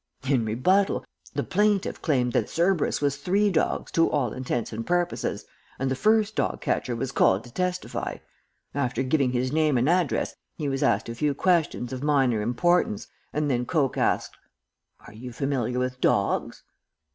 "In rebuttal the plaintiff claimed that Cerberus was three dogs to all intents and purposes, and the first dog catcher was called to testify. After giving his name and address he was asked a few questions of minor importance, and then Coke asked: "'Are you familiar with dogs?'